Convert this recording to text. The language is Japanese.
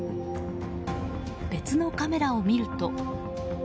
別のカメラを見ると。